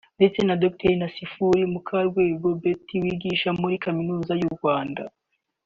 ndetse na Dr Nasiforo Mukarwego Beth wigisha muri Kaminuza y’u Rwanda